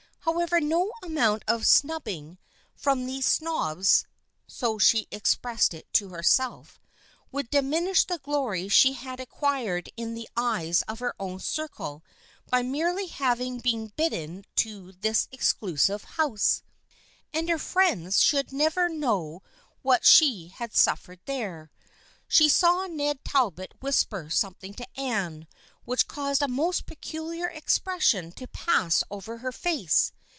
However, no amount of " snubbing from these snobs" (so she expressed it to herself) would diminish the glory she had acquired in the eyes of her own circle by merely having been bidden to this exclusive house, and her friends should never know what she had suffered there. She saw Ned Talbot whisper something to Anne, which caused a most peculiar expression to pass over her face.